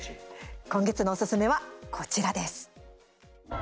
今月のおすすめは、こちらです。